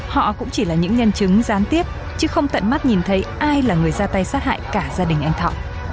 họ cũng chỉ là những nhân chứng gián tiếp chứ không tận mắt nhìn thấy ai là người ra tay sát hại cả gia đình anh thọ